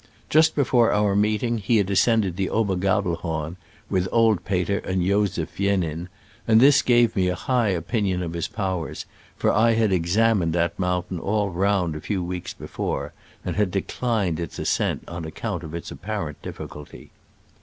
Just before our meeting he had ascend ed the Ober Gabelhorn (with old Peter and Joseph Viennin), and this gave me a high opinion of his powers, for I had examined that mountain all round a few weeks before, and had declined its ascent on account of its apparent difficulty.